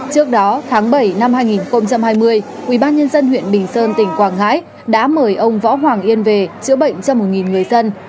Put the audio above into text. trước đó tháng bảy năm hai nghìn hai mươi ubnd huyện bình sơn tỉnh quảng ngãi đã mời ông võ hoàng yên về chữa bệnh cho một người dân